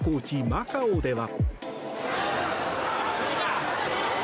マカオでは。